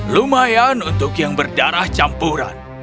lumayan untuk yang berdarah campuran